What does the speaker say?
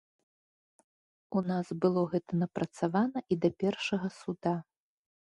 У нас было гэта напрацавана і да першага суда.